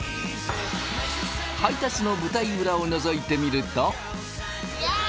配達の舞台裏をのぞいてみると。